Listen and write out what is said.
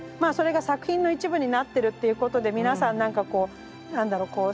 それが作品の一部になってるっていうことで皆さん何かこう何だろう